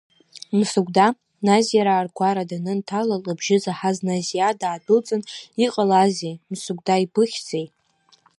Мсыгәда Назиараа ргәара данынҭала лыбжьы заҳаз Назиа даадәылҵын, иҟалазеи, Мсыгәда ибыхьзеи?